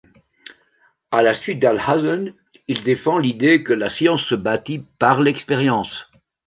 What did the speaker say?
À la suite d'Alhazen, il défend l'idée que la science se bâtit par l'expérience.